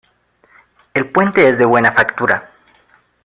El puente es de buena factura.